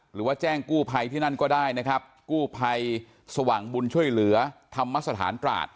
หรือว่าแจ้งกู้ภัยที่นั่นก็ได้นะครับกู้ภัยสว่างบุญช่วยเหลือธรรมสถานตราด